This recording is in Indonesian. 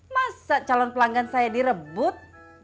masa calon pelanggan saya direbut